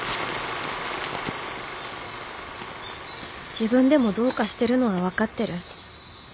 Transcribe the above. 自分でもどうかしてるのは分かってる。